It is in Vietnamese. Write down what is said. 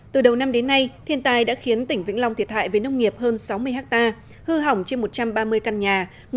từ đầu năm đến nay thiên tai đã khiến tỉnh vĩnh long thiệt hại với nông nghiệp hơn sáu mươi ha hư hỏng trên một trăm ba mươi căn nhà